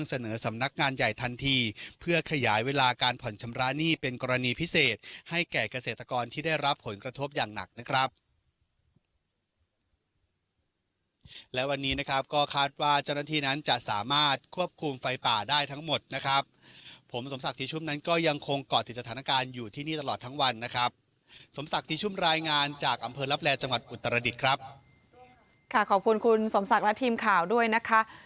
และวันนี้นะครับก็คาดว่าเจ้าหน้าที่นั้นจะสามารถควบคุมไฟป่าได้ทั้งหมดนะครับผมสมศักดิ์สิชุมนั้นก็ยังคงกอดติดสถานการณ์อยู่ที่นี่ตลอดทั้งวันนะครับสมศักดิ์สิชุมรายงานจากอำเภอรับแลจังหวัดอุตรดิตครับค่ะขอบคุณคุณสมศักดิ์สิชุมและทีมข่าวด้วยนะคะ